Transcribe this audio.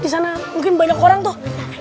di sana mungkin banyak orang tuh